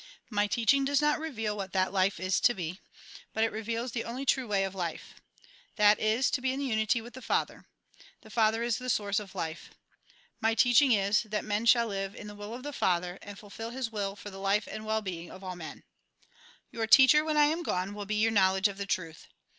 My teaching does not reveal what that life is to be, but it reveals the only true way A RECAPITULATION 213 of life. That is, to be in unity with the Father. The Father is the source of life. My teaching is, that man shall live in the will of the Father, and fulfil His will for the life and well being of all men. " Your teacher, when I am gone, will be your knowledge of the truth.